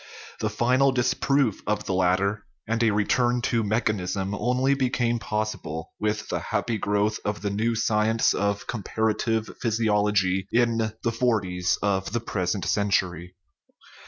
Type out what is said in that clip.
The final disproof of the latter and a return to mechanism only became possible with the happy growth of the new science of comparative physiology in the forties of the present century.